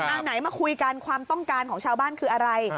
เอาไหนมาคุยกันความต้องการของชาวบ้านคืออะไร